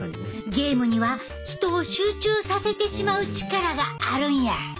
ゲームには人を集中させてしまう力があるんや。